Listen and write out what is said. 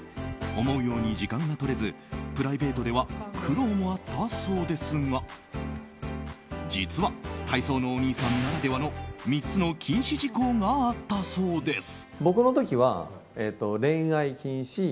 思うように時間が取れずプライベートでは苦労もあったそうですが実は、体操のお兄さんならではの３つの禁止事項があったそうです。